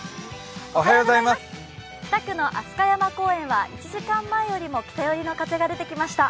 北区の飛鳥山公園は１時間前よりも北寄りの風が出てきました。